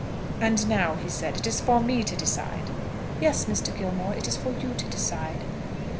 "And now," he said, "it is for me to decide." "Yes, Mr. Gilmore, it is for you to decide."